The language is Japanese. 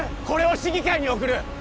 これを市議会に送る